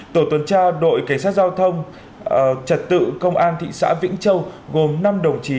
tổ tuần tra đội cảnh sát giao thông trật tự công an thị xã vĩnh châu gồm năm đồng chí